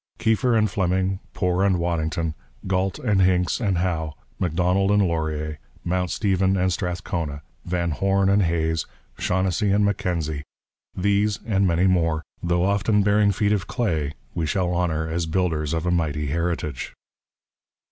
Keefer and Fleming, Poor and Waddington, Galt and Hincks and Howe, Macdonald and Laurier, Mount Stephen and Strathcona, Van Horne and Hays, Shaughnessy and Mackenzie, these and many more, though often bearing feet of clay, we shall honour as builders of a mighty heritage.